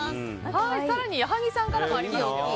更に矢作さんからもありますよ。